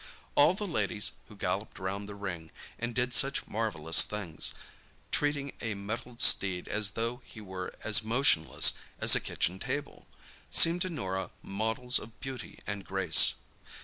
All the ladies who galloped round the ring, and did such marvellous things, treating a mettled steed as though he were as motionless as a kitchen table, seemed to Norah models of beauty and grace.